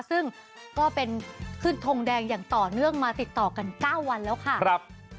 ซึ่งก็เป็นขึ้นทงแดงอย่างต่อเนื่องมาติดต่อกัน๙วันแล้วค่ะ